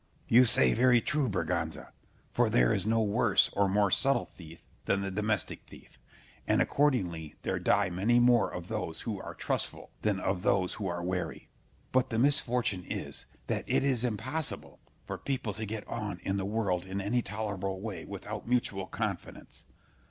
Scip. You say very true, Berganza; for there is no worse or more subtle thief than the domestic thief; and accordingly there die many more of those who are trustful than of those who are wary. But the misfortune is, that it is impossible for people to get on in the world in any tolerable way without mutual confidence.